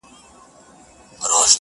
د کم بخته، غول بې وخته.